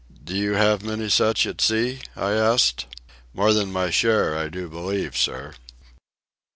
"Do you have many such at sea?" I asked. "More than my share, I do believe, sir."